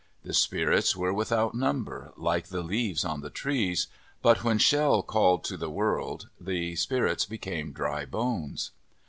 The spirits were without number, like the leaves on the trees. But when Shel called to the world, the spirits became dry bones.